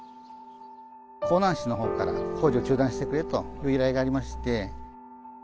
江南市のほうから、工事を中断してくれという以来がありまして。